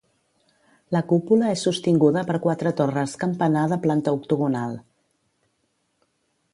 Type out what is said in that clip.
La cúpula és sostinguda per quatre torres campanar de planta octogonal.